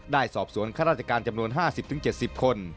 ได้สอบสวนข้าราชการจำนวน๕๐๗๐คน